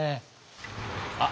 あっ！